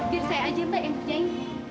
biar saya aja yang penyanyi